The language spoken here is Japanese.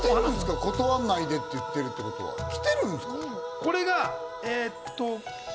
断らないでって言ってるって来てるんですね。